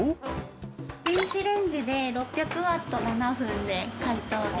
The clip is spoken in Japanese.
電子レンジで６００ワット７分で解凍できます。